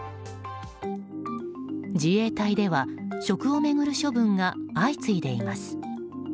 自衛隊では食を巡る処分が相次いでいます。